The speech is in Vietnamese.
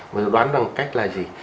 và dự đoán bằng cách là gì